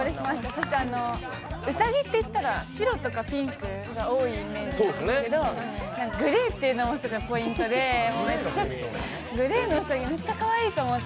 そしてうさぎっていったら白とかピンクが多いイメージなんですけどグレーっていうのもすごいポイントで、グレーのくせにめっちゃかわいいと思って。